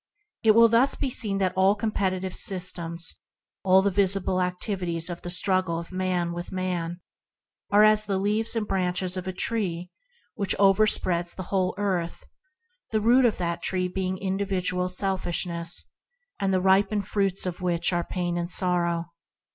It will thus be seen that all competitive systems, all the visible activities of the struggle of man with man, are the leaves and branches of a tree that overspreads the whole earth, the root of that tree being individual selfishness,, and the ripened fruits pain and sorrow.